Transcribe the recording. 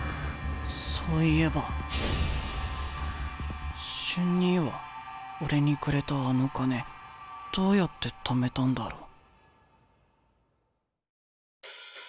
そういえば瞬兄は俺にくれたあの金どうやってためたんだろう？